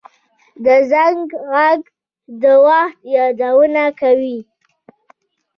د زنګ غږ د وخت یادونه کوي